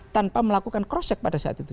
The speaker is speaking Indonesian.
tanpa melakukan cross check pada saat itu